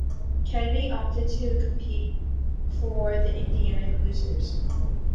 Kennedy opted to compete for the Indiana Hoosiers.